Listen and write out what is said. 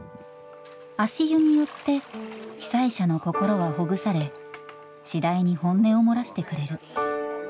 足湯によって被災者の心はほぐされ次第に本音を漏らしてくれる。